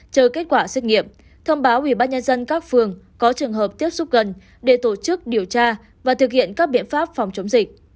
chờ kết quả xét nghiệm thông báo ubnd các phường có trường hợp tiếp xúc gần để tổ chức điều tra và thực hiện các biện pháp phòng chống dịch